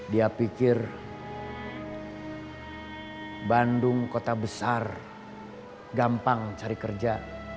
dia pikir bandung kota besar gampang cari kerja